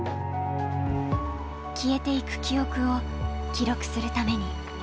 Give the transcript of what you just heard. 消えていく記憶を記録するために。